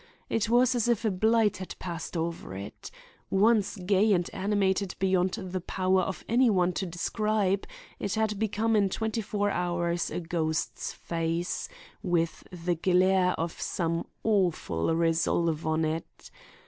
It was as if a blight had passed over it. Once gay and animated beyond the power of any one to describe, it had become in twenty four hours a ghost's face, with the glare of some awful resolve on it.